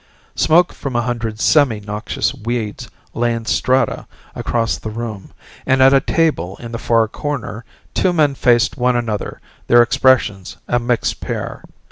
Smoke from a hundred semi noxious weeds lay in strata across the room, and at a table in the far corner two men faced one another, their expressions a mixed pair.